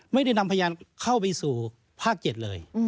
ไม่ได้นำพยานเข้าไปสู่ภาค๗เลย